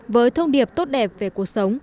với thông điệp tốt đẹp về cuộc sống